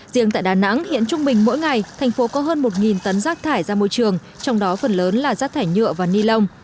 riêng tại đà nẵng hiện trung bình mỗi ngày thành phố có hơn một tấn rác thải ra môi trường trong đó phần lớn là rác thải nhựa và ni lông